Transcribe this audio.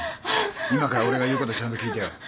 今から俺が言うことちゃんと聞いてよ。